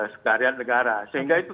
sekalian negara sehingga itu